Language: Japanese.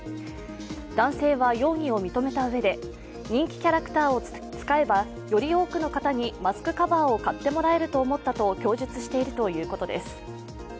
男性は容疑を認めたうえで、人気キャラクターを使えばより多くの方にマスクカバーを買ってもらえると思ったと供述しているということです。